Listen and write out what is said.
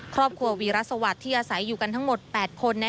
ครอบครัววีรสวัสดิ์ที่อาศัยอยู่กันทั้งหมด๘คน